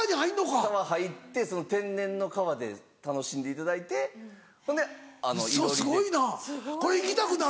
川入って天然の川で楽しんでいただいてそんでいろりで。